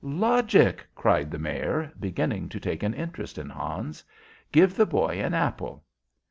"Logic!" cried the Mayor, beginning to take an interest in Hans. "Give the boy an apple."